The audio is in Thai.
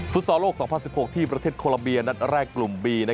ซอลโลก๒๐๑๖ที่ประเทศโคลัมเบียนัดแรกกลุ่มบี